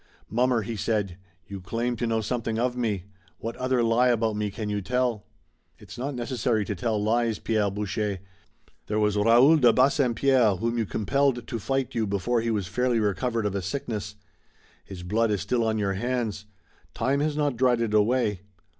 "Mummer," he said. "You claim to know something of me. What other lie about me can you tell?" "It's not necessary to tell lies, Pierre Boucher. There was Raoul de Bassempierre whom you compelled to fight you before he was fairly recovered of a sickness. His blood is still on your hands. Time has not dried it away.